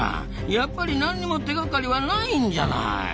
やっぱり何も手がかりは無いんじゃない。